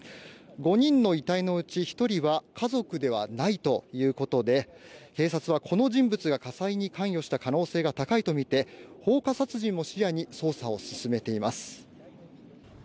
５人の遺体のうち１人は家族ではないということで警察はこの人物が火災に関与した可能性が高いとみて放火殺人も視野に捜査を進めています。